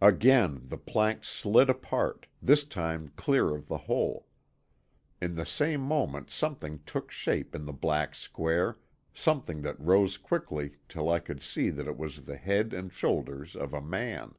Again the planks slid apart, this time clear of the hole. In the same moment something took shape in the black square, something that rose quickly till I could see that it was the head and shoulders of a man.